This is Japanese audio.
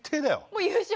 もう優勝？